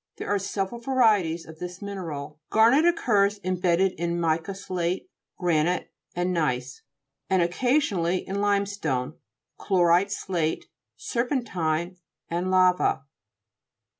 There are several va rieties of this mineral. Garnet oc curs imbedded in mica slate, granite, and gneiss, and occasionally in limestone, chlorite slate, serpentine, and lava.